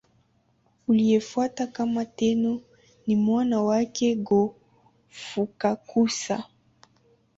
Aliyemfuata kama Tenno ni mwana wake Go-Fukakusa.